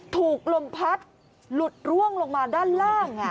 ถูกลมพัดหลุดร่วงลงมาด้านล่าง